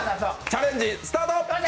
チャレンジスタート。